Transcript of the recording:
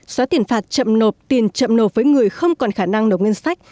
xóa tiền phạt chậm nộp tiền chậm nộp với người không còn khả năng nộp ngân sách